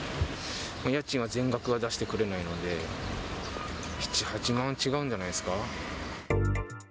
家賃は全額は出してくれないので、７、８万は違うんじゃないですか。